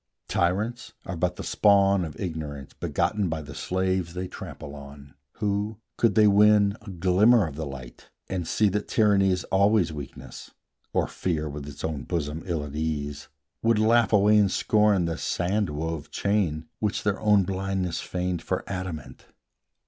Tyrants are but the spawn of Ignorance, Begotten by the slaves they trample on, Who, could they win a glimmer of the light, And see that Tyranny is always weakness, Or Fear with its own bosom ill at ease, Would laugh away in scorn the sand wove chain Which their own blindness feigned for adamant.